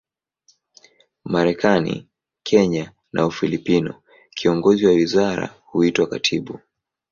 Marekani, Kenya na Ufilipino, kiongozi wa wizara huitwa katibu.